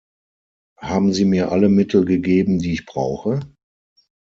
Haben Sie mir alle Mittel gegeben, die ich brauche?